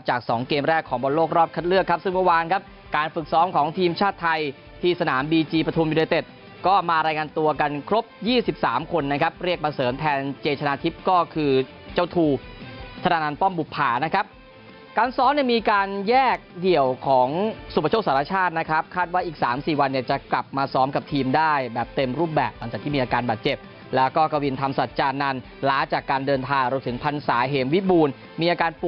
จากสองเกมแรกของบนโลกรอบคัดเลือกครับซึ่งเมื่อวานครับการฝึกซ้อมของทีมชาติไทยที่สนามบีจีประธุมยุโดยเต็ดก็มารายงานตัวกันครบยี่สิบสามคนนะครับเรียกมาเสริมแทนเจชนาทิพย์ก็คือเจ้าทูธนานันต์ป้อมบุภานะครับการซ้อมเนี่ยมีการแยกเหี่ยวของสุปโปรโชคศาลชาตินะครับคาดว่าอีกสาม